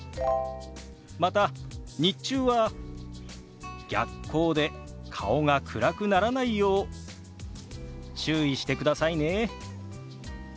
また日中は逆光で顔が暗くならないよう注意してくださいね。